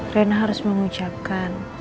rena harus mengucapkan